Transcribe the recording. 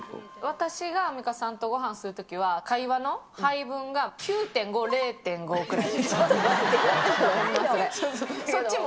私がアンミカさんとごはんするときは、会話の配分が９．５、０．５くらい。